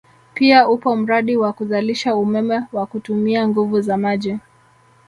Pia upo mradi wa kuzalisha umeme wa kutumia nguvu za maji